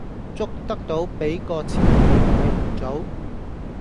捉得到，俾個錢你買紅棗